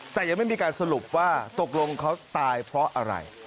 แต่ยังไม่มีการสรุปว่าตกลงเขาตายเพราะอะไร